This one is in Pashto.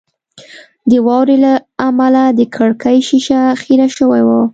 د واورې له امله د کړکۍ شیشه خیره شوې وه